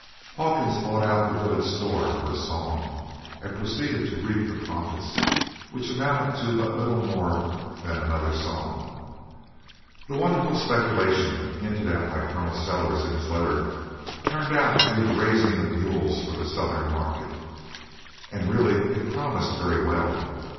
Hawkins bought out the village store for a song and proceeded to reap the profits, which amounted to but little more than another song. The wonderful speculation hinted at by Col. Sellers in his letter turned out to be the raising of mules for the Southern market; and really it promised very well.